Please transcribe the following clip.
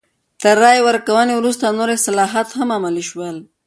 تر رایې ورکونې وروسته نور اصلاحات هم عملي شول.